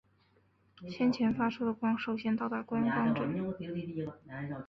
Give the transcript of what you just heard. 先前发出的光首先到达观察者。